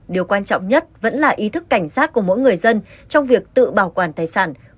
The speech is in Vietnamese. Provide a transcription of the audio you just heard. điều quan trọng nhất vẫn là ý thức cảnh giác của mỗi người dân trong việc tự bảo quản tài sản